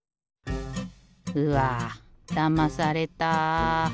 うわだまされた。